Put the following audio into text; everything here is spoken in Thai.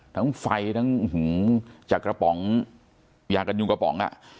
ทั้งไฟทั้งจากกระป๋องยากันยุงกระป๋องอ่ะ